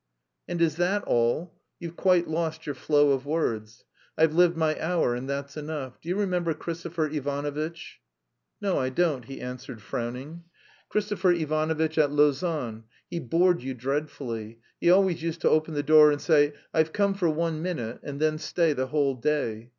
"And is that all? You've quite lost your flow of words. I've lived my hour and that's enough. Do you remember Christopher Ivanovitch?" "No I don't," he answered, frowning. "Christopher Ivanovitch at Lausanne? He bored you dreadfully. He always used to open the door and say, 'I've come for one minute,' and then stay the whole day.